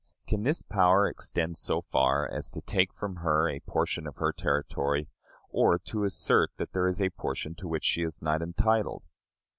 Can this power extend so far as to take from her a portion of her territory, or to assert that there is a portion to which she is not entitled?